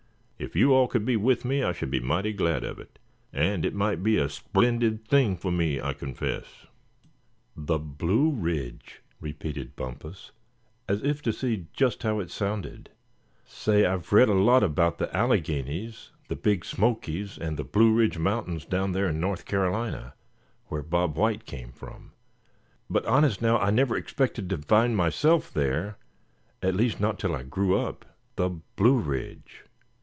If you all could be with me, I should be mighty glad of it. And it might be a splendid thing foh me, I confess." "The Blue Ridge!" repeated Bumpus, as if to see just how it sounded. "Say, I've read a lot about the Alleghanies, the Big Smokies, and the Blue Ridge mountains down there in North Carolina, where Bob White came from; but honest now, I never expected to find myself there, at least not till I grew up. The Blue Ridge!